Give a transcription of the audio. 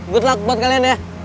good luck buat kalian ya